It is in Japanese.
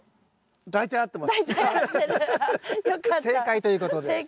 正解ということで。